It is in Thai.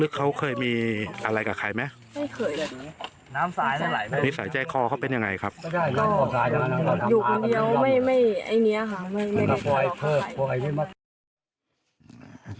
ลึกเขาเคยมีอะไรกับใครไหมไม่เคยแบบนี้มีสายใจคอเขาเป็นยังไงครับก็อยู่คนเดียวไม่ไม่ไอเนี่ยค่ะไม่ไม่เคยเข้าใคร